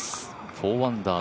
４アンダー